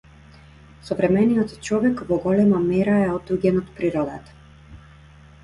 Современиот човек во голема мера е отуѓен од природата.